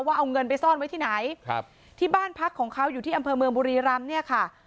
ว่าเอาเงินไปซ่อนไว้ที่ไหนครับที่บ้านพักของเขาอยู่ที่อำเภอเมืองบุรีรำเนี่ยค่ะ